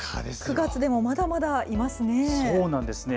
９月でもまだまだいますね。